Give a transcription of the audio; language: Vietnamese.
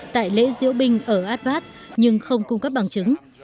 tại lễ diễu binh ở abbas nhưng không cung cấp bằng chứng